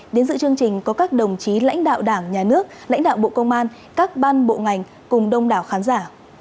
đến dự chương trình có các đồng chí lãnh đạo đảng nhà nước lãnh đạo bộ công an các ban bộ ngành cùng đông đảo khán giả